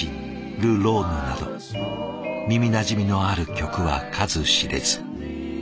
「ル・ローヌ」など耳なじみのある曲は数知れず。